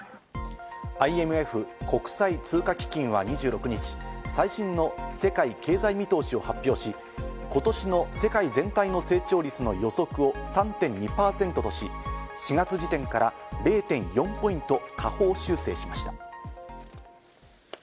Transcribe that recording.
ＩＭＦ＝国際通貨基金は２６日、最新の世界経済見通しを発表し、今年の世界全体の成長率の予測を３．２％とし、４月時点から０．４ポイント下方修正しました。